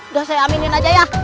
udah saya aminin aja ya